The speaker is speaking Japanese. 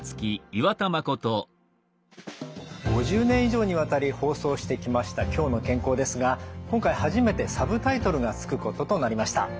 ５０年以上にわたり放送してきました「きょうの健康」ですが今回初めてサブタイトルが付くこととなりました。